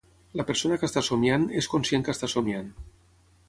la persona que està somiant és conscient que està somiant